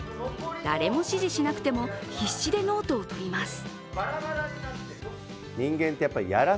誰も指示しなくても必死でノートを取ります。